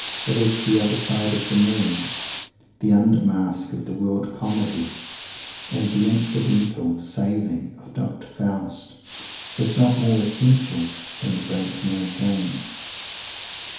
It is the "other side of the Moon" the under mask of the world comedy, and the incidental "saving" of Dr. Faust is not more essential in the great mad game!